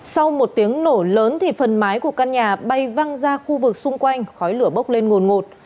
sau một tiếng nổ lớn thì phần mái của căn nhà bay văng ra khu vực xung quanh khói lửa bốc lên ngồn ngột